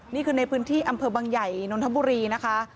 นี่คือในพื้นที่อำเภอบังใหญ่นนทบุรีนะคะ